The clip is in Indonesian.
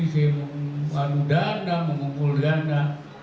saya memanu dana mengumpul dana